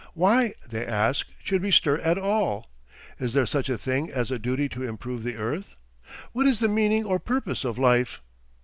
Why, they ask, should we stir at all? Is there such a thing as a duty to improve the earth? What is the meaning or purpose of life?